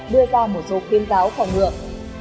đưa ra một số kiên cáo khỏe ngược